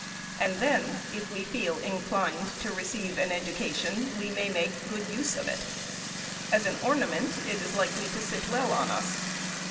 And then, if we feel inclined to receive that education, we may make good use of it. As an ornament it is likely to sit well on us.